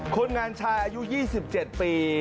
คนงานชายอายุ๒๗ปี